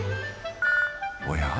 おや？